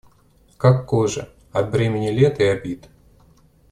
Как кожа, от бремени лет и обид.